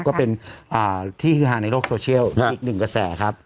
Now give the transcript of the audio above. ก็เป็นที่ฮือฮาในโลกโซเชียลอีกหนึ่งกระแสครับ